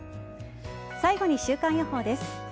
最後に週間予報です。